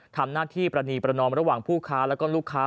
ทำหน้าที่ปรณีประนอมระหว่างผู้ค้าและลูกค้า